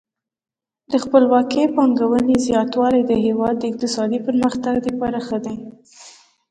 د خپلواکې پانګونې زیاتوالی د هیواد د اقتصادي پرمختګ لپاره اړین دی.